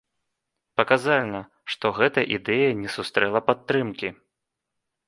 Паказальна, што гэта ідэя не сустрэла падтрымкі.